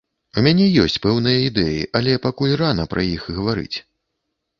У мяне ёсць пэўныя ідэі, але пакуль рана пра іх гаварыць.